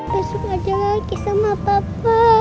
masuk aja lagi sama papa